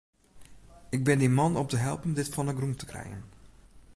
Ik bin dyn man om te helpen dit fan 'e grûn te krijen.